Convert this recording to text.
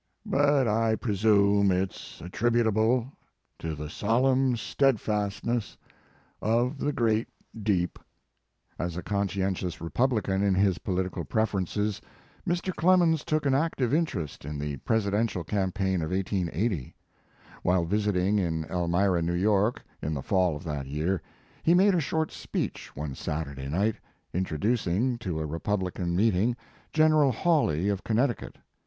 But I presume it s attributable to the solemn steadfastness of the great deep." As a conscientious Republican in his political preferences, Mr. Clemens took an active interest in the Presidential campaign of 1880. While visiting in Elmira, New York, in the fall of that year, he made a short speech one Satur day night, introducing to a Republican meeting General Ilawley of Connecticut.